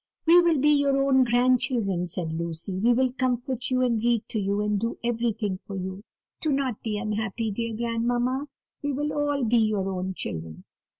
"We will be your own grandchildren," said Lucy; "we will comfort you and read to you, and do everything for you. Do not be unhappy, dear grandmamma, we will all be your own children."